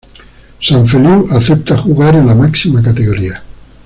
Sant Feliu acepta jugar en la máxima categoría.